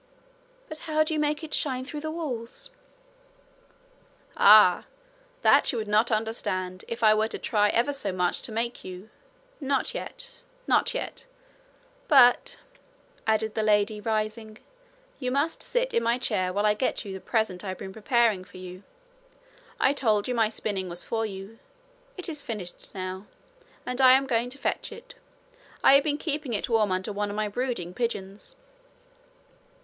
'But how do you make it shine through the walls?' 'Ah! that you would not understand if I were to try ever so much to make you not yet not yet. But,' added the lady, rising, 'you must sit in my chair while I get you the present I have been preparing for you. I told you my spinning was for you. It is finished now, and I am going to fetch it. I have been keeping it warm under one of my brooding pigeons.'